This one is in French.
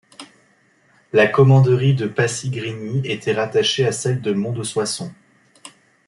La Commanderie de Passy-Grigny était rattachée à celle de Mont-de-Soissons.